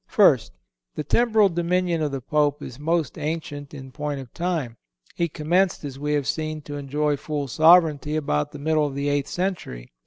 First—The temporal dominion of the Pope is most ancient in point of time. He commenced, as we have seen, to enjoy full sovereignty about the middle of the eighth century.